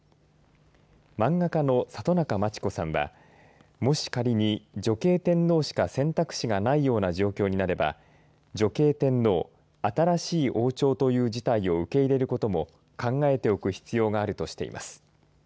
漫画家の里中満智子さんはもし仮に女系天皇しか選択肢がないような状況になれば女系天皇新しい王朝という事態を受け入れることも考えておく必要があるとしています。